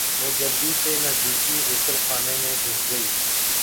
وہ جلدی سے نزدیکی غسل خانے میں گھس گئی۔